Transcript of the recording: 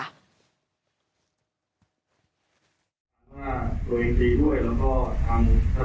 ตัวเองดีด้วยแล้วก็ทำสถาวะด้วยดีด้วยครับ